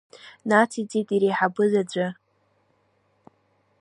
Нациҵеит иреиҳабыз, аӡәы.